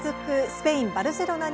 スペイン・バルセロナ。